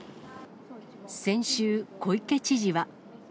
先週、小池知事は。